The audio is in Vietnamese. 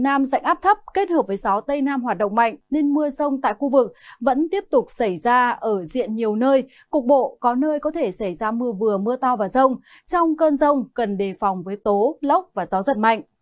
nam dạnh áp thấp kết hợp với gió tây nam hoạt động mạnh nên mưa rông tại khu vực vẫn tiếp tục xảy ra ở diện nhiều nơi cục bộ có nơi có thể xảy ra mưa vừa mưa to và rông trong cơn rông cần đề phòng với tố lốc và gió giật mạnh